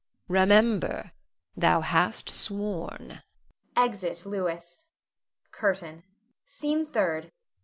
Remember, thou hast sworn. [Exit Louis. CURTAIN. SCENE THIRD.